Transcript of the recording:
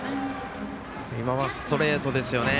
今はストレートですよね。